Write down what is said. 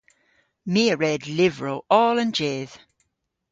My a red lyvrow oll an jydh.